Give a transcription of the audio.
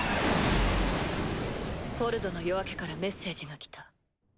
「フォルドの夜明け」からメッセージが来た。